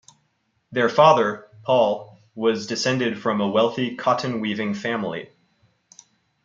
Their father, Paul, was descended from a wealthy cotton weaving family.